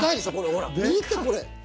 ほら見てこれ。